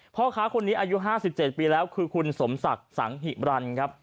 พ่อค้าคนนี้อายุ๕๗ปีแล้วคือคุณสมศักดิ์สังหิบรันครับ